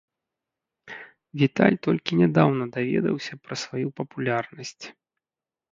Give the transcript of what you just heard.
Віталь толькі нядаўна даведаўся пра сваю папулярнасць.